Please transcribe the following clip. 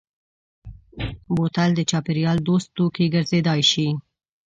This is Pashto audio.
بوتل د چاپېریال دوست توکی ګرځېدای شي.